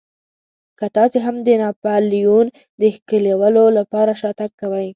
که تاسې هم د ناپلیون د ښکېلولو لپاره شاتګ کوئ.